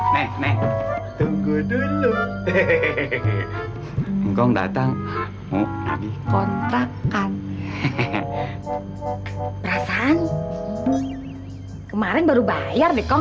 neng neng tunggu dulu hehehe engkong datang kontrakan perasaan kemarin baru bayar dikong